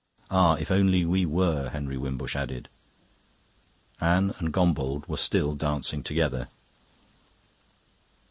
"Ah, if only we were!" Henry Wimbush added. Anne and Gombauld were still dancing together.